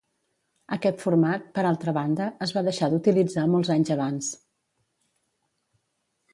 Aquest format, per altra banda, es va deixar d'utilitzar molts anys abans.